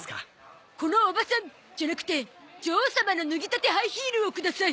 このオバサンじゃなくて女王様の脱ぎたてハイヒールをください！